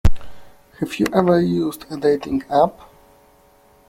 Have you ever used a dating app?